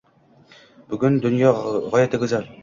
Bugun dunyo g’oyatda go’zal